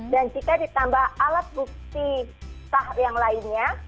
dan jika ditambah alat bukti sah yang lainnya